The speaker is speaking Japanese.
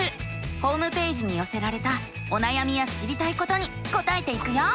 ホームページによせられたおなやみや知りたいことに答えていくよ。